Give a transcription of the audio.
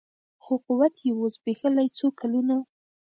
خو قوت یې وو زبېښلی څو کلونو